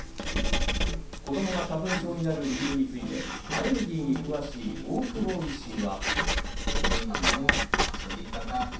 子供が花粉症になる理由について、アレルギーに詳しい大久保医師は。